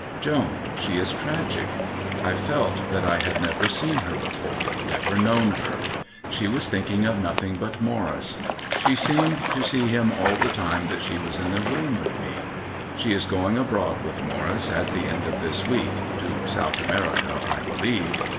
Joan, she was tragic. I felt that I had never seen her before, never known her. She was thinking of nothing but Morris. She seemed to see him all the time that she was in the room with me. She is going abroad with Morris at the end of this week to South America, I believe.